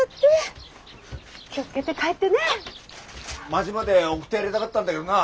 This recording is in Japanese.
町まで送ってやりたがったんだげどなあ。